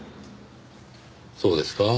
そうですか？